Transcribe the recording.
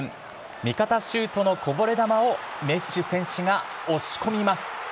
味方シュートのこぼれ球をメッシ選手が押し込みます。